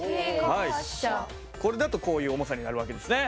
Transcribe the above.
これだとこういう重さになる訳ですね。